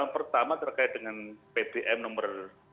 pertama terkait dengan pdm nomor